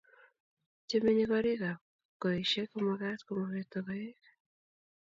che menye korik ab kioisheck komakat komawirta koek